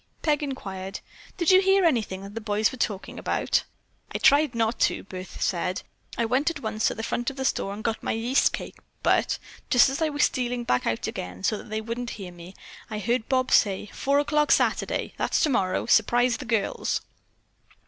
Peg inquired: "Did you hear anything that the boys were talking about?" "I tried not to," Bertha said. "I went at once to the front of the store and got my yeast cake, but, just as I was stealing back out again, so that they wouldn't hear me, I heard Bob say: 'Four o'clock Saturday. That's tomorrow! Surprise the girls.